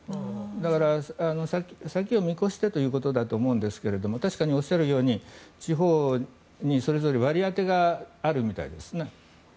だから、先を見越してということだと思うんですが確かにおっしゃるように地方にそれぞれ割り当てがあるみたいですね。